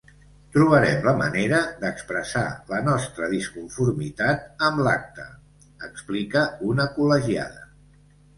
Trobarem la manera d’expressar la nostra disconformitat amb l’acte, explica una col·legiada.